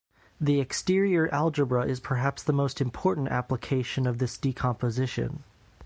The exterior algebra is perhaps the most important application of this decomposition.